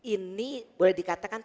ini boleh dikatakan